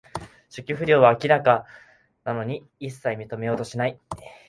初期不良は明らかなのに、いっさい認めようとしない